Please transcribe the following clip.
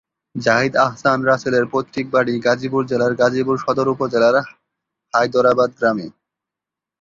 জাহিদ আহসান রাসেলের পৈতৃক বাড়ি গাজীপুর জেলার গাজীপুর সদর উপজেলার হায়দরাবাদ গ্রামে।